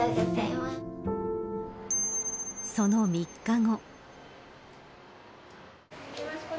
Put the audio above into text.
その３日後。